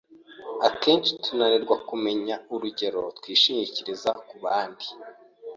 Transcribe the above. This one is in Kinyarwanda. Akenshi tunanirwa kumenya urugero twishingikiriza kubandi.